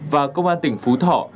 và công an tỉnh phú thọ